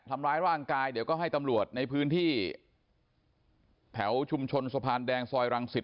ทำร้ายร่างกายเดี๋ยวก็ให้ตำรวจในพื้นที่แถวชุมชนสะพานแดงซอยรังสิต